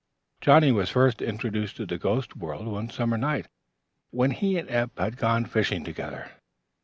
Johnnie was first introduced to the ghost world one summer night, when he and Eph had gone fishing together.